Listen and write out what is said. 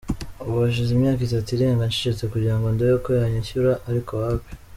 Ubu hashize imyaka itatu irenga ncecetse kugira ngo ndebe ko yanyishyura ariko wapi.